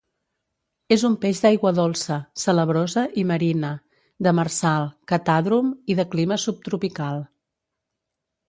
És un peix d'aigua dolça, salabrosa i marina; demersal; catàdrom i de clima subtropical.